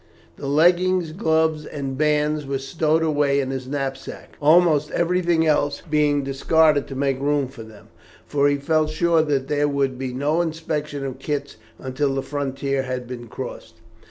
The leggings, gloves, and bands were stowed away in his knapsack, almost everything else being discarded to make room for them; for he felt sure that there would be no inspection of kits until the frontier had been crossed.